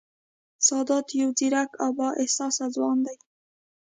سادات یو ځېرک او با احساسه ځوان دی